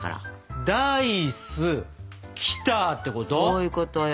そういうことよ。